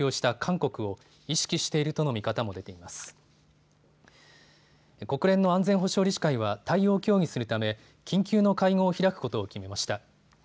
国連の安全保障理事会は対応を協議するため緊急の会合を開くことを決めました。